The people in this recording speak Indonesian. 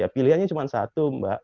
pilihannya cuma satu mbak